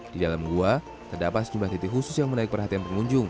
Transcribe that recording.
di dalam gua terdapat sejumlah titik khusus yang menarik perhatian pengunjung